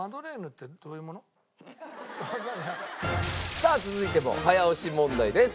さあ続いても早押し問題です。